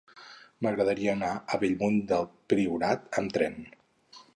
M'agradaria anar a Bellmunt del Priorat amb tren.